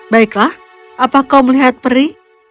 baiklah apa kau melihat peri